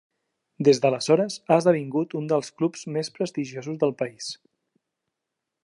Des d'aleshores ha esdevingut un dels clubs més prestigiosos del país.